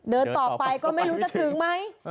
เดินต่อไปก็ไม่รู้จะถึงไหม